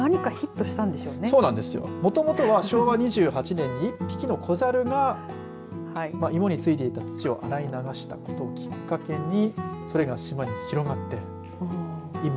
もともとは昭和２８年に１匹の子猿が芋に付いていた土を洗い流したことをきっかけにそれが島に広がっている。